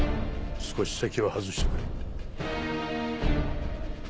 少し席を外してくれ。